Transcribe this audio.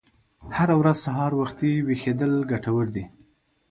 هره ورځ سهار وختي ویښیدل ګټور دي.